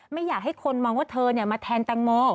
ไม่อยากให้คนมองว่าเธอมาแทนแตงโม